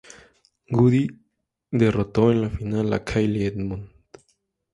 Wu Di derrotó en la final a Kyle Edmund.